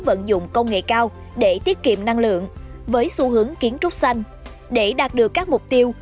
vận dụng công nghệ cao để tiết kiệm năng lượng với xu hướng kiến trúc xanh để đạt được các mục tiêu